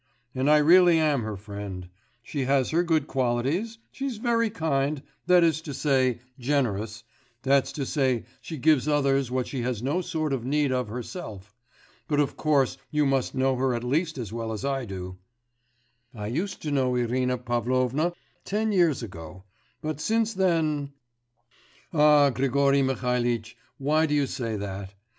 And I really am her friend. She has her good qualities: she's very kind, that is to say, generous, that's to say she gives others what she has no sort of need of herself. But of course you must know her at least as well as I do.' 'I used to know Irina Pavlovna ten years ago; but since then ' 'Ah, Grigory Mihalitch, why do you say that?